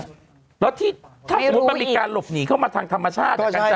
หน่วยรู้อีกแล้วถ้าผมมีการหลบหนีเข้ามาทางธรรมชาติก็ใช่